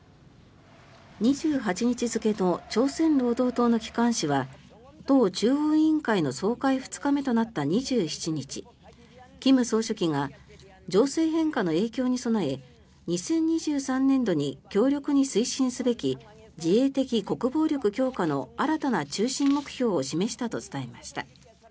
２８日付の朝鮮労働党の機関紙は党中央委員会の総会２日目となった２７日金総書記が情勢変化の影響に備え２０２３年度に強力に推進すべき自衛的国防力強化の新たな中心目標を示したと伝えました。